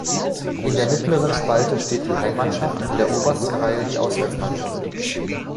In der mittleren Spalte steht die Heimmannschaft, in der obersten Reihe die Auswärtsmannschaft.